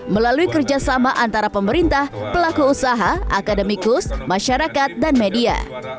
melalui kerjasama antara pemerintah pelaku usaha akademikus masyarakat dan media